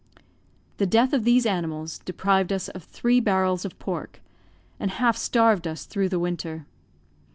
The death of these animals deprived us of three barrels of pork, and half starved us through the winter.